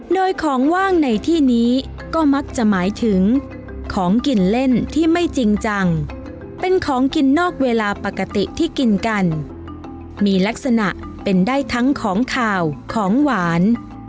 โดยของว่างในที่นี้ก็มักจะหมายถึงของกินเล่นที่ไม่จริงจังเป็นของกินนอกเวลาปกติที่กินกันมีลักษณะเป็นได้ทั้งของขาวของหวาน